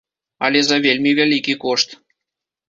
Але за вельмі вялікі кошт.